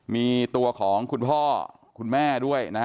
มีตัวของคุณพ่อคุณแม่ด้วยนะฮะ